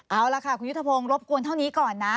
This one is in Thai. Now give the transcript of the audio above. เอาล่ะค่ะคุณยุทธพงศ์รบกวนเท่านี้ก่อนนะ